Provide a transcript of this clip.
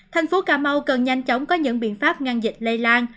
thành phố cà mau cần nhanh chóng có những biện pháp ngăn dịch lây lan